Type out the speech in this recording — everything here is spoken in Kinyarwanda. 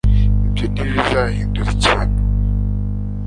ibyo ntibizahindura ikintu